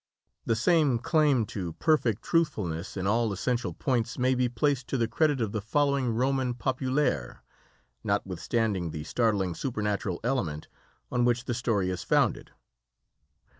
The same claim to perfect truthfulness in all essential points may be placed to the credit of the following "Roman Populaire," notwithstanding the startling supernatural element on which the story is founded.